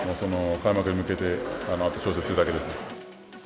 開幕に向けて、あとは調節するだけです。